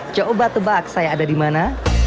coba tebak saya ada dimana